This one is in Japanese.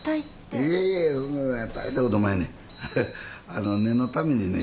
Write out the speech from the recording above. いやいや大したことおまへんのや念のためにね